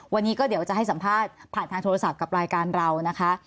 วันนี้ก็เดี๋ยวจะให้สัมภาษณ์ผ่านทางโทรศัพท์กับรายการเรานะคะ